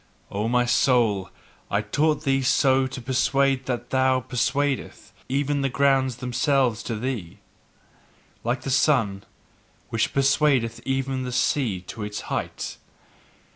O my soul, I taught thee so to persuade that thou persuadest even the grounds themselves to thee: like the sun, which persuadeth even the sea to its height.